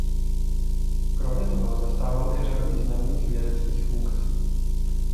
Kromě toho zastával i řadu významných vědeckých funkcí.